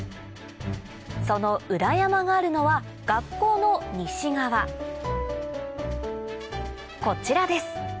その裏山があるのは学校の西側こちらです